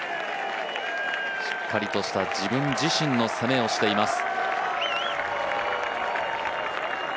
しっかりとした自分自身の攻めをしています。